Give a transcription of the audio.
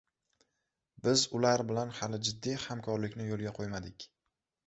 Biz ular bilan hali jiddiy hamkorlikni yo‘lga qo‘ymadik.